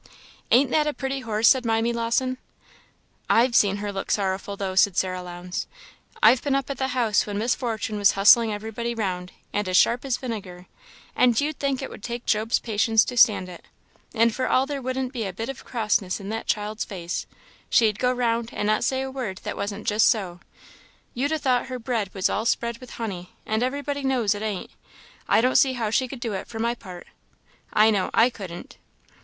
"Ain't that a pretty horse?" said Mimy Lawson. "I've seen her look sorrowful, though," said Sarah Lowndes; "I've been up at the house when Miss Fortune was hustling everybody round, and as sharp as vinegar, and you'd think it would take Job's patience to stand it and for all there wouldn't be a bit of crossness in that child's face she'd go round, and not say a word that wasn't just so; you'd a thought her bread was all spread with honey, and everybody knows it ain't. I don't see how she could do it, for my part: I know I couldn't."